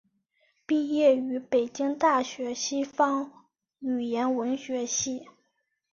毕业于北京大学西方语言文学系。